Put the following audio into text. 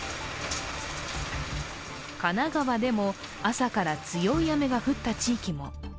神奈川でも朝から強い雨が降った地域も。